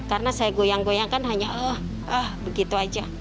karena saya goyang goyang kan hanya ah ah begitu